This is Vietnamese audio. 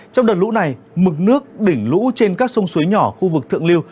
trong đợt lũ này mực nước đỉnh lũ trên các sông suối nhỏ khu vực thượng liêu